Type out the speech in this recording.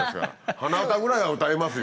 鼻歌ぐらいは歌いますよ